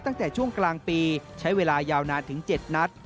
ตั้งแต่ช่วงกลางปีใช้เวลายาวนานถึง๗นัด